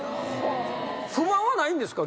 不満はないんですか？